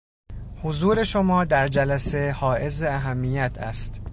حضور شما در جلسه حائز اهمیت است.